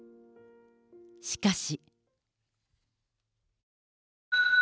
しかし。